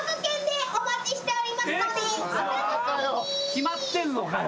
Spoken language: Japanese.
決まってんのかよ。